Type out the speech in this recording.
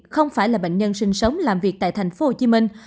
không phải là bệnh nhân sinh sống làm việc tại thành phố hồ chí minh